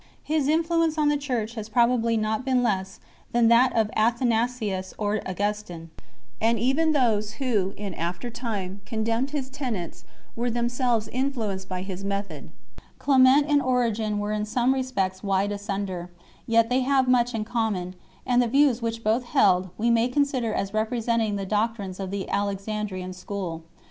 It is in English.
His influence on the Church has probably not been less than that of Athanasius or Augustine; and even those who in after time condemned his tenets were themselves influenced by his method. Clement and Origen were in some respects wide asunder ; yet they have much in. common, and the views which both held we may consider as representing the doctrines of the Alexandrian School.